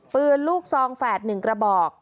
ปืนลูกซองแฝด๑กระบอก